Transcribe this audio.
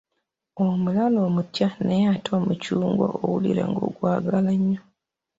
Omulalu omutya naye ate n'omucungwa owulira ng'ogwagala nnyo.